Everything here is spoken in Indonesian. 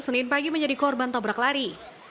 senin pagi menjadi korban tabrak lari